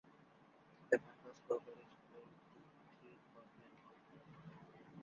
The band was co-produced by Dickie Goodman.